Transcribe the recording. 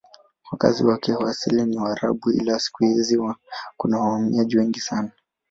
Wakazi wake wa asili ni Waarabu ila siku hizi kuna wahamiaji wengi sana.